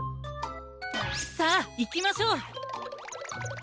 さあいきましょう！